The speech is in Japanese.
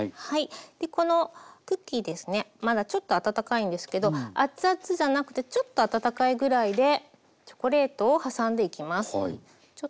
このクッキーですねまだちょっと温かいんですけどアッツアツじゃなくてちょっと温かいぐらいでチョコレートを挟んでいきます。